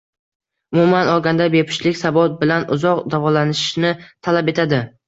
Umuman olganda, bepushtlik sabot bilan uzoq davolanishni talab etadi.